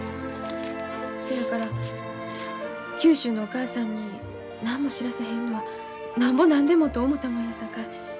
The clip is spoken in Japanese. そやから九州のお母さんに何も知らせへんのはなんぼなんでもと思たもんやさかい。